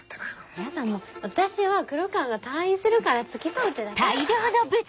ヤダもう私は黒川が退院するから付き添うってだけだから。